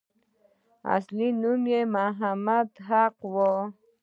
اصل نوم یې محمد حق وو.